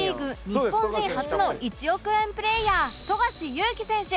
日本人初の１億円プレーヤー富樫勇樹選手